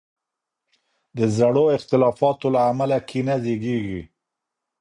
د زړو اختلافاتو له امله کینه زیږیږي.